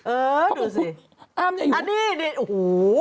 เออดูสิอ้าวนี่อยู่อ้าวนี่โอ้โฮ